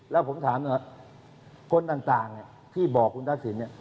แล้วผมถามหน่อยคนต่างที่บอกคุณทักษิณเนี่ย